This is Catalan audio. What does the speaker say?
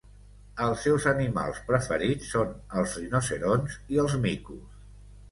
Els seus animals preferits són els rinoceronts i els micos.